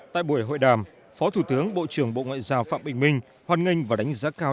tại buổi hội đàm phó thủ tướng bộ trưởng bộ ngoại giao phạm bình minh hoan nghênh và đánh giá cao